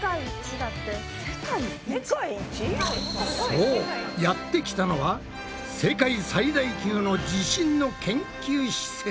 そうやってきたのは世界最大級の地震の研究施設。